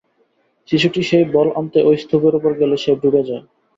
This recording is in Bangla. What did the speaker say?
শিশুটি সেই বল আনতে ওই স্তূপের ওপর গেলে সে ডুবে যায়।